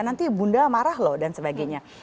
nanti bunda marah loh dan sebagainya